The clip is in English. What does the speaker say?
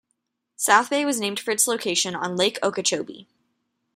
South Bay was named for its location on Lake Okeechobee.